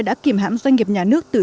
đã kìm hãm doanh nghiệp nhà nước